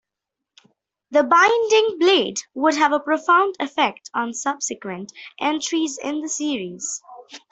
"The Binding Blade" would have a profound effect upon subsequent entries in the series.